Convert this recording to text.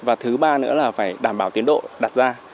và thứ ba nữa là phải đảm bảo tiến độ đặt ra